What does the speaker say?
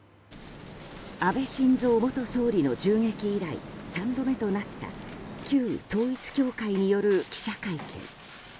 安倍晋三元総理の銃撃以来３度目となった旧統一教会による記者会見。